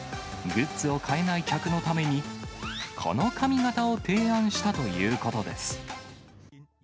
グッズを買えない客のために、この髪形を提案したということです。